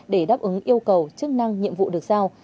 để đáp ứng yêu cầu chức năng nhiệm vụ được giao